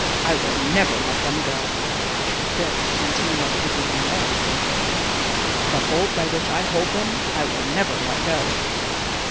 I will never let them go." This in Tamil is even more explicit: "The hold by which I hold them I will never let go."